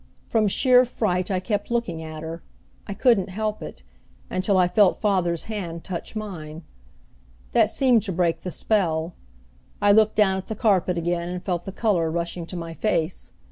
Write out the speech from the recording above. From sheer fright I kept looking at her I couldn't help it until I felt father's hand touch mine. That seemed to break the spell. I looked down at the carpet again and felt the color rushing to my face.